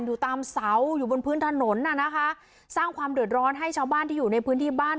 อยู่ตามเสาอยู่บนพื้นถนนน่ะนะคะสร้างความเดือดร้อนให้ชาวบ้านที่อยู่ในพื้นที่บ้าน